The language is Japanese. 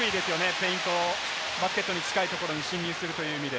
フェイント、バスケットに近いところに進入するという意味で。